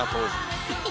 ハハハッ。